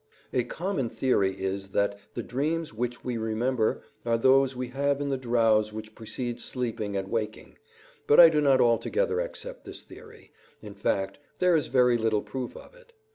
A common theory is that the dreams which we remember are those we have in the drowse which precedes sleeping and waking; but I do not altogether accept this theory. In fact, there is very little proof of it.